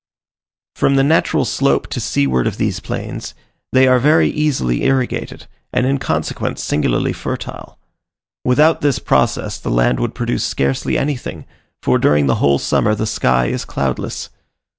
From the natural slope to seaward of these plains, they are very easily irrigated, and in consequence singularly fertile. Without this process the land would produce scarcely anything, for during the whole summer the sky is cloudless.